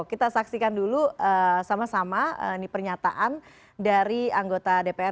kita saksikan dulu sama sama ini pernyataan dari anggota dpr